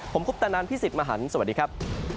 ผมคุปตะนันพี่สิทธิ์มหันฯสวัสดีครับ